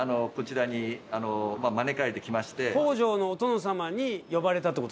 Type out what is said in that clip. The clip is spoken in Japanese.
北条のお殿様に呼ばれたって事ですか？